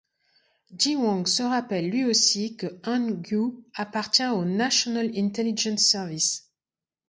Ji-won se rappelle lui aussi que Han-gyu appartient au National Intelligence Service.